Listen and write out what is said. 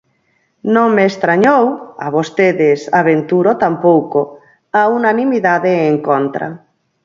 Non me estrañou, a vostedes, aventuro, tampouco, a unanimidade en contra.